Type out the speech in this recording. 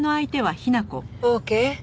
オーケー。